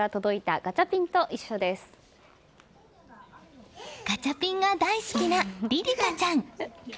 ガチャピンが大好きな梨里花ちゃん。